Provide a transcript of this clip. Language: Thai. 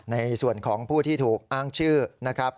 ในส่วนของผู้ที่ถูกอ้างชื่อนะครับ